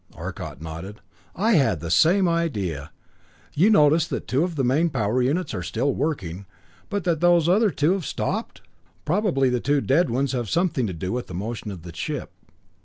Arcot nodded. "I had the same idea. You notice that two of the main power units are still working, but that those other two have stopped? Probably the two dead ones have something to do with the motion of the ship.